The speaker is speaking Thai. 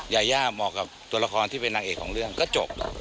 ยาย่าเหมาะกับตัวละครที่เป็นนางเอกของเรื่องก็จบ